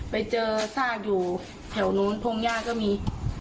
ไปเจอซากอยู่แถวนู้นพงหญ้าก็มี